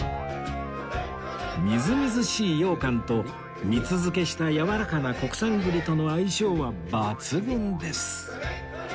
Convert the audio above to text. みずみずしい羊羹と蜜漬けしたやわらかな国産栗との相性は抜群です